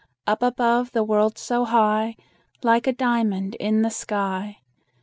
Up above the world so high, Like a diamond in the sky.